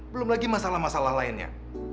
belum lagi masalah masalah lainnya